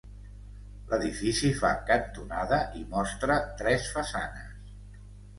L'edifici fa cantonada i mostra tres façanes.